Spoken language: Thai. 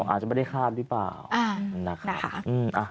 อ๋ออาจจะไม่ได้ข้ามหรือเปล่าอ่านะคะอืมอ่า